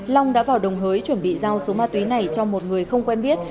long đã vào đồng hới chuẩn bị giao số ma túy này cho một người không quen biết